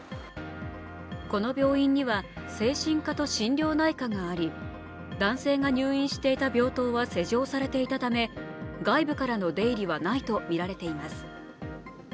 この病院には、精神科と心療内科があり男性が入院していた病棟は施錠されていたため、外部からの出入りはないとみられています。